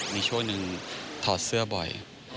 มีช่วงหนึ่งถอดเสื้อบ่อย